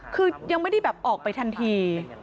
คือยังไม่ได้แบบออกไปทันที